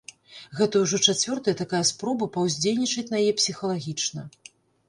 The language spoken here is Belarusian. Гэта ўжо чацвёртая такая спроба паўздзейнічаць на яе псіхалагічна.